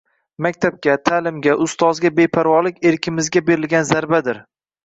Maktabga, taʼlimga, ustozga beparvolik erkimizga berilgan zarbadir.